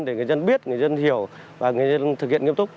để người dân biết người dân hiểu và người dân thực hiện nghiêm túc